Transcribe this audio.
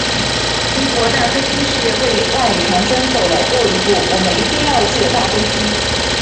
中国大飞机事业万里长征走了又一步，我们一定要有自己的大飞机。